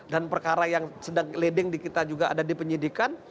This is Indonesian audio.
dan perkara yang sedang leading di kita juga ada di penyidikan